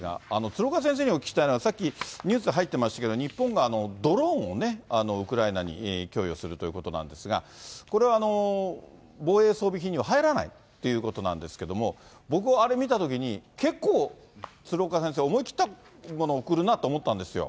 鶴岡先生にお聞きしたいのは、ニュースで入ってましたけど、日本がドローンをね、ウクライナに供与するということなんですが、これ、防衛装備品には入らないっていうことなんですけども、僕はあれ、見たときに結構、鶴岡先生、思い切ったものを送るなと思ったんですよ。